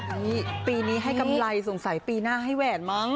ปีนี้ให้กำไรสงสัยปีหน้าให้แหวนมั้ง